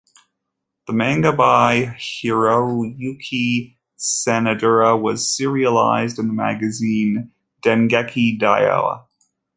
The manga by Hiroyuki Sanadura was serialized in the magazine Dengeki Daioh.